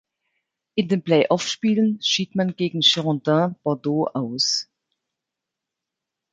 In den Play-off-Spielen schied man gegen Girondins Bordeaux aus.